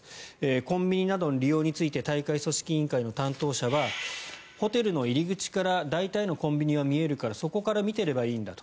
コンビニなどの利用について大会組織委員会の担当者はホテルの入り口から大体のコンビニは見えるからそこから見ていればいいんだと。